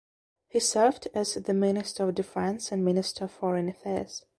He served as the Minister of Defence and Minister of Foreign Affairs.